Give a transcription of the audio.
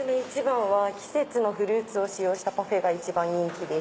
季節のフルーツを使用したパフェが一番人気です。